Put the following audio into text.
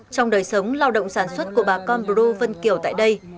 trong đời sống lao động sản xuất của bà con brô vân kiểu tại đây